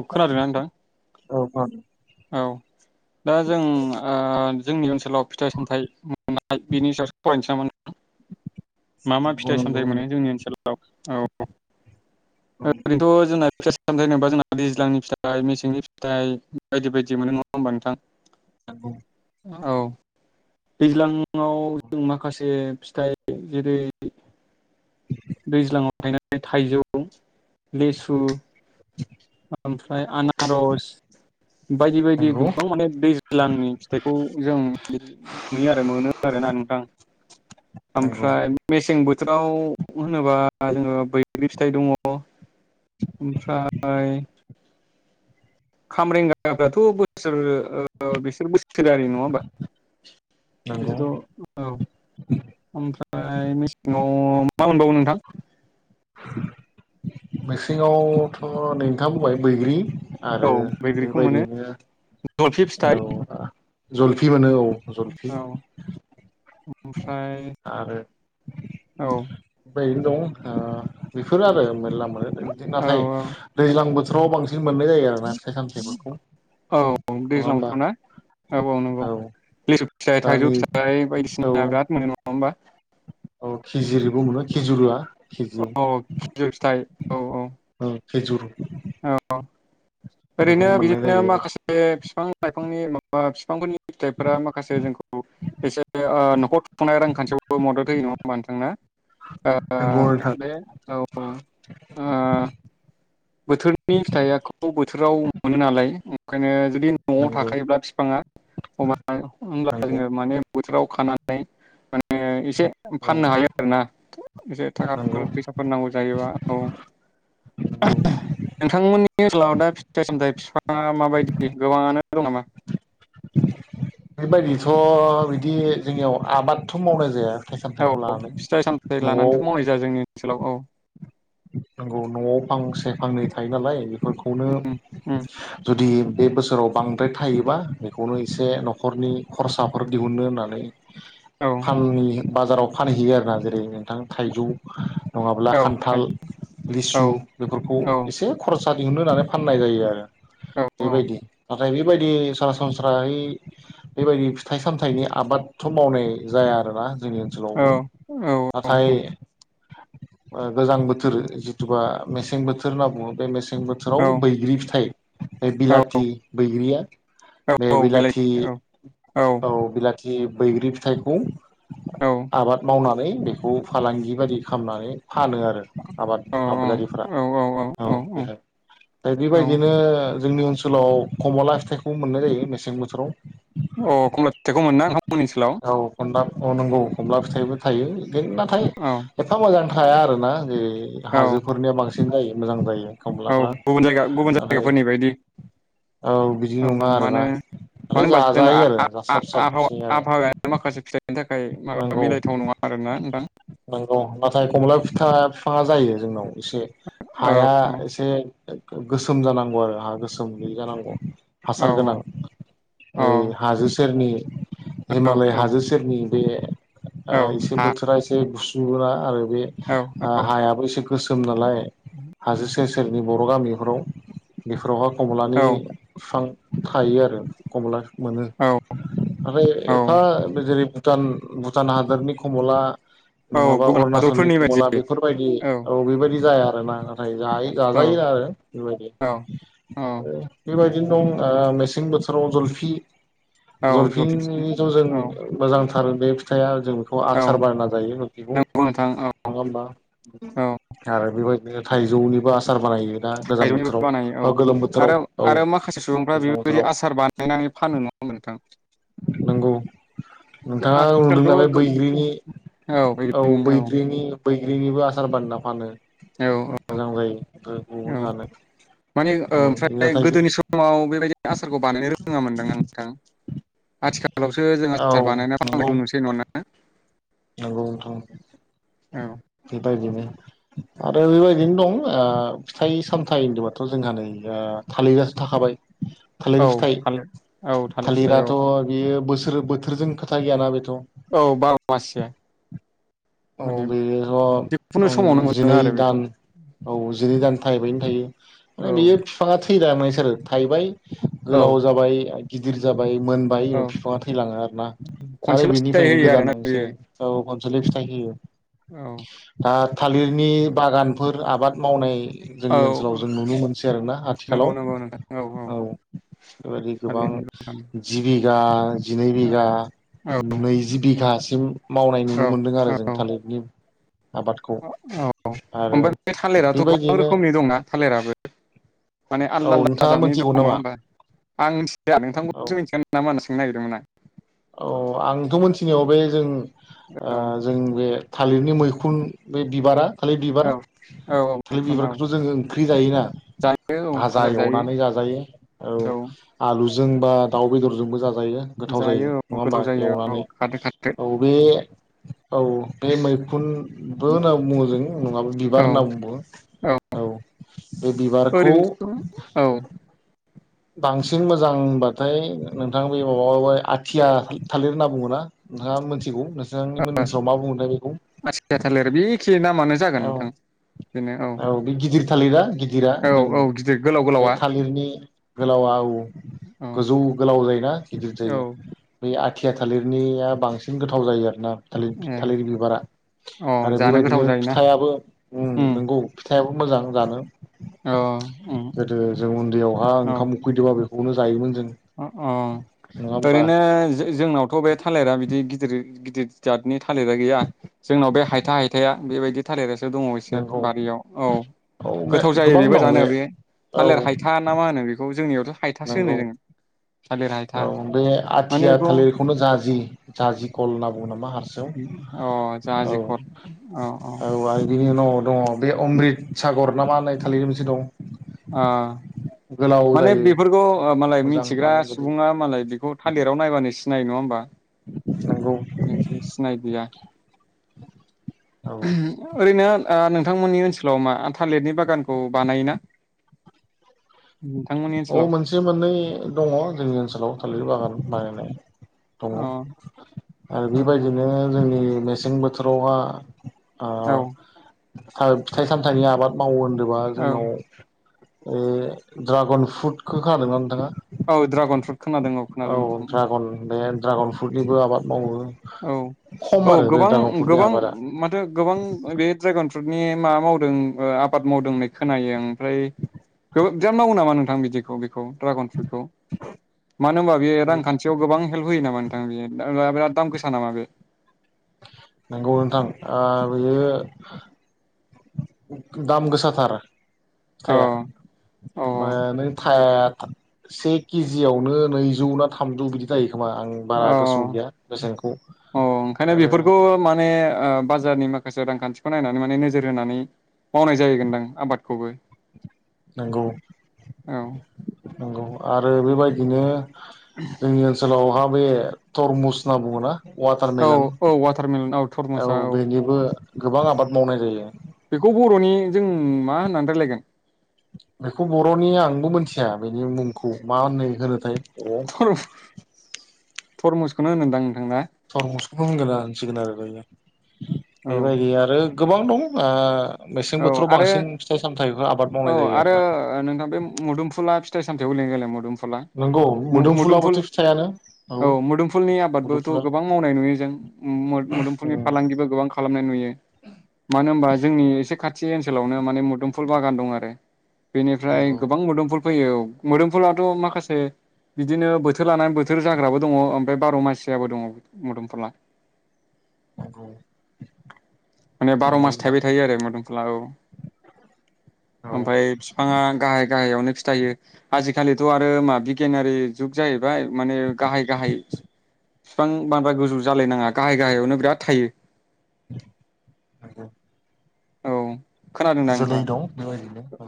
औ खोनादोंना नोंथां? औ मा औ दा जों ओ जोंनि सलाव फिथाइ सामथायाइ मोन [inaudible] बिनि सायावसो सावरायनोसै नामा? मा मा नंगौ फिथाइ नंगौ सामथायाइ मोनो जोंनि ओनसोलाव औ [inaudible] ओरैनोथ' जोङो फिथाइ सामथाड होनोबा जोंहा दैज्लांनि फिथाइ मेसेंनि फिथाइ बायदि बायदि मोनो नङा होमबा नोंथां? नंगौ। औ दैज्लाङाव जों माखासे फिथाइ जेरै दैज्लाङाव थायनाय थाइजौ लेसु ओमफ्राय आनारस बायदि बायदि नंगौ गोबां माने दैज्लांनि फिथाइखौ जों बि नुयो आरो मोनो आरोना नोंथां नंगौ ओमफ्राय मेसें बोथोर [inaudible] होनोबा जोङो बैग्रि फिथाइ दङ। ओमफ्राय ओमफ्राय खामब्रेंगाफ्राथ' बोसोर बिसोर बोसोर थोरारि नङा होमबा नंगौ बिसोरथ' औ ओमफ्राय मेसेङाव मा मोनबावो नोंथां? मेसेङावथ' नोंथाङा बुंबाय बैग्रि आरो औ बैग्रिखौ मोनो जलफि बेबायदियैनो फिथाइ औ जलफि मोनो औ। जलफि अ [unintelligible] ओमफ्राय औ नो दं ओ बेफोरो आरो मेरला मोनो इदि औ नाथाय दैजां बोथोर स'बां [unintelligible] औ नङा दैज्लां होमबा बोथोराव ना औ औ नंगौ लिसु फिथाइ दा थाइजौ नै फिथाइ औ बायदिसिना बिराद मोनो नङा होमबा। औ खिजिरिबो मोनो खिजुरुआ औ खिजुर फिथाइ औ औ। खेजुर औ ओरैनो मोननाय बिदिनो जायो माखासे बिफां लाइफांनि बा बिफांफोरनि फिथाइफोरा माखासे जोंखौ एसे ओ न'खर खुंखुंनाय रांखान्थियावबो मदद होयो नङा होमबा नोंथां ना? ओ नंगौ नोंथां बे औ औ ओ बोथोरनि फिथाइआखौ बोथोराव मोनो नालाय य ओंखायनो जुदि न'आव नंगौ थाखायोब्ला बिफाङा हब्ला-होमब्ला नंगौ जोङो माने बोथोराव खानानै नै मान ओ एसे औ फाननो हायो आरोना। एसे नंगौ थाखाफोर फैसाफोर नांगौ जायोबा औ नंगौ नोंथांमोननि ओनसोलाव दा फिथाइ सामथायाइ बिफाङा माबायदि गोबाङानो दं नामा? बेबायदिथ' बिदि जोंनियाव आबादथ' मावनाय जाया। फिथाइ सामथाइखौ औ लानानै फिथाइ सामथाय न'आव लानानैथ' मावनाय जाया जोंनि ओनसोलाव औ। नंगौ न'आव फांसे फांनै थायो नालाय बे फोरखौनो उम उम जुदि बे बोसोराव बांद्राय थायोबा बेखौनो एसे न'खरनि खरसाफोर दिहुननो होननानै औ फांनि बाजाराव फानहैयो आरोना जेरै नोंथां थाइजौ नङाब्ला औ हायो खान्थाल औ लिसु बेफोरखौ औ एसे खरस सा दिहुननो होनानै फाननाय जायो आरो। औ औ बेबायदि नाथाय बेबायदि सरासनस्राहै बेबायदि फिथाइ सामथाइनि आबादथ' मावनाय जाया आरोना जोंनि औ ओनसोलावबो औ नाथाय गोजां बोथोर बोथोर जेतुबा मेसें बोथोर होनना बुङो बे मेसें से औ बोथोराव बैग्रि फिथाइ बे औ बिलाथि बैग्रिया औ बे औ बिलाथि बिलाइथि औ औ जि बैग्रि फिथाइखौ औ आबाद मावनानै बेखौ फालांगि बायदि खालामनानै फानो आरो आबाद आबादारिफ्रा औ बेहाय दा औ बेबायदिनो जोंनि ओनसोलाव खमला फिथाइखौ मोननाय जायो मेसें बोथोराव अ कमला फिथाइखौ मोनोना नोंथांमोननि ओनसोलाव अ नंगौ खमला फिथाइबो थायो बे नाथाय औ एफा मोजां हाया आरो ना ए औ हाजोफोरनि बांसिन साबसिन जायो मोजां जायो औ खमलाफ्रा गुबुन जायगा गुबुन नाथाय जायगाफोरनि बायदि औ बिदि औ नङा आरोना मानो मानो माने होनबा जोंना जाजायो आरो जासाब आाव साबसिन आरो आबहावाया माखासे फिथाइनि थाखाय माबा नंगौ मिलायथाव नङा आरोना नोंथां नंगौ नाथाय कमला सा फिफांआ जायो जोंनाव एसे औ हाया औ एसे गोसोम जानांगौ आरो हा गोसोम गैयै जानांगौ औ हासार गोनां ओै अ हाजो सेरनि औ हिमालय औ हाजो सेरनि बे औ एसे हा बोथोरा एसे [inaudible] बे औ ओ हायाबो एसे गोसोम नालाय हाजो सेर सोर सोरनि बर' गामिफोराव बेफोरावहाय औ खमलानि बिफां थायो आरो खमला मोनो औ नाथाय एफा जेरै भुटान भुटान हादरनि खमला औ नङाबा गुबुन अरुणाचलनि हादरफोरनि बायदि कमला बेफोरबायदि औ बेेबायदि जाया म मा जायो जाजायो आरो बेबायदि औ औ बेबाय बेबायादि सिन दं ओ मेसें बोथोराव जल्फि औ जलफिनि जफिनफिननाय ज' जों औ मोजांथ आरो बे फिथाइआ जों खौ औ आसार बायना जायो बेखौ नंगौ नोंथां औ नङा हबा आरो बेबाय बे थाइजौनि थाइबो बानायो औ गोलोम बोथोराव आरो औ आरो माखासे सुबुंफ्रा दैज्लां बेफोरबायदि बोथोराव आसार बानायनानै फानो नङा ओमबा नोंथां? नंगौ नोंथाङा नुदों नालाय आथिखालथ' बैग्रिनि औ बैग्रिनि बैग्रिनिबो आसार बानना फानो औ औ मोजां जायो गुबुन औ जानो मानि ओ औ ओमफ्राय नाथाय गोदोनि समाव बेबायदि आसारखौ बानायनो रोङामोन दां नोंथां आथिखालावसो जों औ आसार बानायना नंगौ फाननायखौ नुसै नङाना नंगौ नोंथां औ बेबायदिनो आरो बेबायदिनो दं ओ फिथाइ सामथायाइ होनदोबाथ' जोंहा ओ नै थालिरआसो थाखाबाय औ थालिर फिथाइ थालिर औ थालिर फिथाइ औ थालिराथ' बियो बोसो [unintelligible] बोथोरजों खोथा गोया ना बे औ बार' मास से औ बेयोथ' जिखुनु उम समावनो मोनो जिनै आरो बेखौ दान औ जिनै दान थायबायनो थायो औ बियो फिफांआ थो [unintelligible] थाइबाय औ गोलाव जाबाय गिदिर जाब बाइ मोनबाय औ बिफांआ थैलाङोना आरो खनसेल' फिथाइ बेनिफ्रायनो होयो गोदान आरोना मोनसे बेयो औ जिले फिथ थाइ होयो औ आ थालिरनि बागानफोर आबाद मावनाय औ जोंनि ओनसोलाव जों नुनो मोनसै आरोना नंगौ आथिखालाव नंगौ नोंथां औ बेबायाददि गोबां थालिरनि बागान जि बिघा जिनै बिघा औ नैजि बिघा जों मावनाय नुनो औ मोन्दों आरो जों औ थालिर नि औ ओमफ्राय बे थालिराथ' गोबां बेबायदियैनो रोखोमनि दं ना थालिराबो माने औ आलदा आलदा नोंथाङा जादनि मोनथिगौ दङ नङा नामा होमबा आं मिथिया औ नोंथांखौसो मिथिगोन नामा होनना सों सोंनो नागिरदोंमोन आं औ आंथ' मोनथिनायाव बे जों आं औ जों बे थालिरनि मैखुन बे बिबारा थालिर बिबार औ औ थालिर मैखुन औ बिबारखौथ' जोङो ओंख्रि जायोना जायो औ भाजा फाजा जायो एवनानै जाजायो औ आलु जों बा दाउ बेदर जों बो जाजायो जायो गोथाव जायो। औ नङा होमबा गोथाव जायो एवनानै औ खाथो खाथो औ बे औ बे मैखुनबो होनना बुङो जों नङाबा औ बिबार होनना बुङो औ बे बिबारखौ ओरैनोथ' औ बांसिन मोजां होनबाथाय नोंथां बे माबा आथिया थालिर होनना बुङो ना नोंथाङा मिथिगौ नोंसांनि मोनोसाव मा बुंङोथाय बेखौ आथिया थालिर बेखे नामानो जागोन औ नोंथां औ बे गिदिर थालिरा गिद गिदिरा औ जों औ गिदिर गोलाव बे गोलावा थालिरनि गोलाव औ औ गोजौ गोलाव जायोना गिदिर औ जायो। आथिया थालिर बिनिया बांसिन गोथाव जायो आरो ना थालिर ए थालिर बिबारा अ आरो जानो बेबायदिनो गोथाव जायोना फिथायाबो उम नंगौ फिथाइ फिसायाबो मोजां जानो अ उम गोदो जों उन्दैयावहा फैदबा बेखौनो जायोमोन जों अ अ नङा होमबा ओरैनो जोंनावथ' बे थालिरा बिदि गिद दिर गिदिर जादनि थालिरा गैया जोंनाव बे हायथा हायथाया बेबायदि थालिरा सो दङ एसे नंगौ बारियाव औ औ बे गोथाव जायो गोबां बेबो दं जानो बे औ थालिर हायथा ना मा होनो बेखौ जोंनियावथ' थाइथासो नंगौ होनो जों थालिर हायथा औ बे माने आथिया बेखौ थालिरखौनो जाजि जाजि कल होनना बुङो नामा अ हारसायाव औ जाहाजिखर औ आरो बेनि उनाव दङ बे अमृत सागर नामा होननाय थालिर मोनसे दं अ गोलाव माने जायो बेफोरखौ मालाय मोजां मिथिग्रा जानो गोदै सुबुङा मालाय बेखौ थालिराव नायबानो सि सिनायो नङा होनबा नंगौ जोंसो सिनायदिया औ ओरैनो नोंथांमोननि ओनसोलाव मा थालिरनि बागानखौ बानायोना? नोंथांमोननि औ ओनसोलाव मोनसे मोननै दङ जोंनि ओनसोलाव थालिर बागान बानायनाय दङ अ आरो औ बेबायदिनो जोंनि मेसें बोथोरावहा औ ओह फिथाइ सामथाइनि आबाद मावो सोरबा औ जोंनाव ओ ड्रागन फ्रुटखौ खोनादों ना नोंथाङा। औ ड्रागन फ्रुट खोनादों औ खोनादों नोंथां ड्रागन बे ड्रागन फ्रुटनिबो आबाद मावो। औ खम औ आरो बे ड्रागन फ्रुटनि गोबां आबादा माथो गोबां बे ड्रायगन फ्रुटनि मा मावदों ओ आबाद मावदों होननाय खोनायो ओमफ्राय बिराद मावो नामा नोंथां बिदिखौ ड्रागन फ्रुइटखौ मानो होनबा बेयो रांखान्थियाव गोबां हेल्प होयो नामा नोंथां। बिराद दाम गोसा गोबां नामा बेयो नंगौ नोंथां ओ बेयो दाम गोसाथार‌। अ थाया अ मानो थाया से केजियावनो नैजौ ना थामजौ बिदि जायो। खोमा आं बारा अ गोसोआव गैया बेसेनखौ अ ओंखायनो आरो बेफोरखौ माने ओ बाजारनि माखासे रांखान्थिखौ नायनानै माने नोजोर होनानै मावनाय जाहैगोनदां आबादखौबो। नंगौ औ नंगौ। आरो बेबायदिनो जोंनि ओनसोलाव हाब बे थरमुस होनना बुङो ना औ वाटारमेलन औ वाटारमेलन औ थरमुसा औ बेनिबो गोबां आबाद मावनाय जायो। बेखौ बर'नि जों मा होननानै रायलायगोन। बेखौ बर'नि आंबो मिथिया बेनि मुंखौ मा होनोथाय थर टरमुसखौनो होनोदां ना थरमुसुखौनो होनसिगोन आरो दायो औ बेबायदि आरो गोबां दं ओ मेसें औ बोथोराव आरो बांसिन फिथाइ सामथाइखौ आबाद औ मावनाय जायो आरो आरोना नोंथां बे मुदुमफुला फिथाय-सामथायाव गोलैयोना गोलैया मुदुमफुला फला नंगौ मु मुदुमफुल मोदोमफुलाबोथ' फिथाइयानो औ मोदुमफुलनि आबादबोथ' मोदोमफुला गोबां मावनाय नुयो जों मु मुदुमफुलनि उम फालांगिबो गोबां खालामनाय नुयो मानो होनबा जोंनि एसे खाथि ओनसोलावनो माने मोदुमफुल बागान दं आरो बेनिफ्राय नंगौ गोबां मुदुमफोल फैयो औ मोदोमफुलाथ' माखासे बिदिनो बोथोर लानानै बोथोर जाग्राबो दङ ओमफ्राय बार' मानसियाबो दङ मोदोमफुला नंगौ माने बार' नंगौ मास नोंथां थाइबाय थायो आरो मोदोमफुला औ औ ओमफ्राय बिफाङा गाहाय गाहायावनो फि थायो आजिखालिथ' आरो मा बिगियानारि जुग जाहैबाय माने गाहाय गाहाय बिफां बांद्राय गुजौ जालायनाङा गाहाय गाहायावनो बिराद थायो [unintelligible] औ खोनादोंना जोलै नोंथां दं बेबायदिनो औ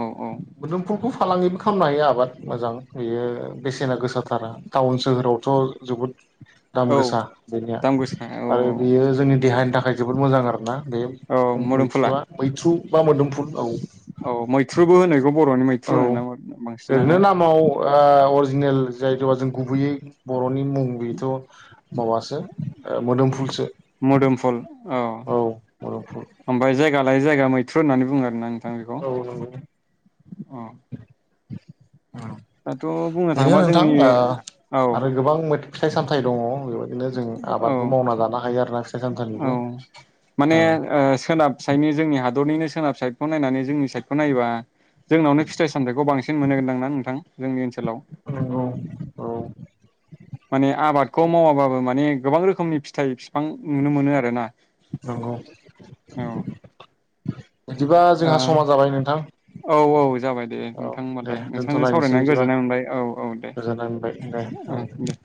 औ औ मुदुमफोलखौ फालांगिबो खालामनो हायो आबाद मोजां बेयो बेसेना गोसाथारा टाउन सोहोरावथ' जोबोद दाम औ गोसा बेनिया दाम गोसा औ आरो बेयो जोंनि देहानि नि थाखाय जोबोद मोजां आरो ना बे औ मोदोमफुला मैथ्रुआ थ्रु बा मुदुमफोल औ मैथ्रुबो होनायखौ बर'नि औ मैथ्रु होनो ना बांसिनानो दिनो जाय द जों गुबैयै बर' नि मुंह बिथ मुदुमफोल फुलसो मोदोमफुल औ मुदुमफुल ओमफ्राय जाय जायगा लायै जायगा मैथ्रु होननानै बोङो आरोना नोंथां बेखौ औ औ अ दाथ' बुंनो बेनो थाङोबा नोंथां जोंनि अ औ आरो गोबां मे फिथाइ सामथाय फाइ दङ बेबायदिनो जों औ आबादबो मावना जानो हायो आरोना फिथाइ औ सामथाइनिबो माने अ सोनाबसायनि जोंनि हादरनिनो सोनाब साइखौ नायनानै जोंनि साइडखौ नायोबा जोंनावनो फिथाय सामथायखौ बांसिन मोनगोनदां नोंथां जोंनि ओनसोल औ औ औ माने आबादखौ मावाबाबो माने गोबां रोखोमनि फिथाइ बिफां नुनो मोनो आरोना नंगौ औ बिदिबा जोंहा समा जाबाय नोंथां औ औ जाबाय दे औ नोंथां दे होनबालाय नोंथांजों दोनथ'लायनोसै सावरायनानै बिदिबा गोजोननाय मोनबाय औ औ दे गोजोननाय मोनबाय दे औ ओम दे